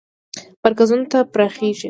مرکزونو ته پراخیږي.